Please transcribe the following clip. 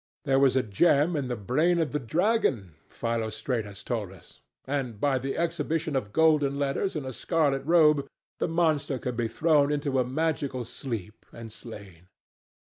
There was a gem in the brain of the dragon, Philostratus told us, and "by the exhibition of golden letters and a scarlet robe" the monster could be thrown into a magical sleep and slain.